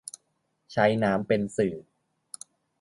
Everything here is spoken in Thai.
ใช้น้ำเป็นสื่อ